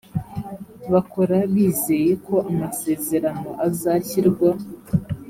bakora bizeye ko amasezerano azashyirwa